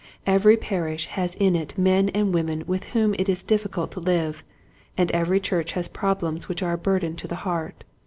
Every parish has in it men and women with whom it is difficult to live, and every church has problems which are a burden to the heart.